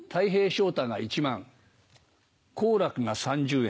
昇太が１万好楽が３０円。